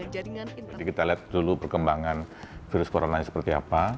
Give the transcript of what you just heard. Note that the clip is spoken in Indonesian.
jadi kita lihat dulu perkembangan virus corona seperti apa